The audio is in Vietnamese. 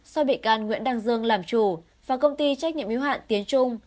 so với mỹ can nguyễn đăng dương làm chủ và công ty trách nhiệm yếu hạn tiến trung